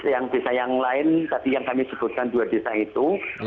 yang desa yang lain tadi yang kami sebutkan dua desa itu